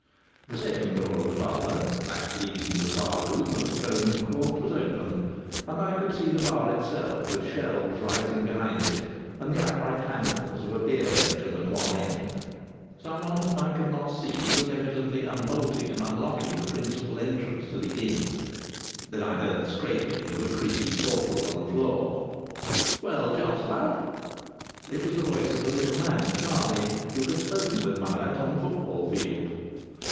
The second door of the parlour that leading to the bar room of the Foaming Quart was open, and I could see the bar itself, with shelves rising behind it and the upright handles of a beer engine at one end. Someone whom I could not see was evidently unbolting and unlocking the principal entrance to the inn. Then I heard the scraping of a creaky portal on the floor. "Well, Jos lad!" It was the voice of the little man, Charlie, who had spoken with Myatt on the football field.